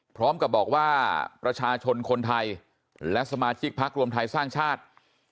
พร้อมกับบอกว่าประชาชนคนไทยและสมาชิกพักรวมไทยสร้างชาติ